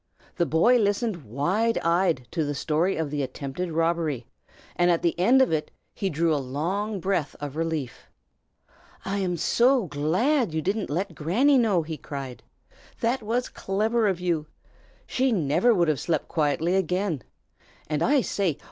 The boy listened wide eyed to the story of the attempted robbery, and at the end of it he drew a long breath of relief. "I am so glad you didn't let Granny know!" he cried. "That was clever of you. She never would have slept quietly again. And, I say!